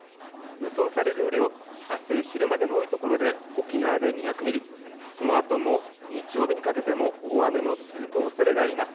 予想される雨量、あす昼までの多いところで沖縄で２００ミリ、そのあとも日曜日にかけても大雨の続くおそれがあります。